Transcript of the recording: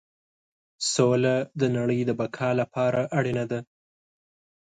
سوله د نړۍ د بقا لپاره اړینه ده.